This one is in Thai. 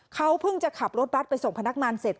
เขาเพิ่งจะขับรถบัตรไปส่งพนักงานเสร็จ